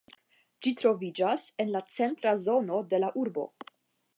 Ĝi troviĝas en la centra zono de la urbo.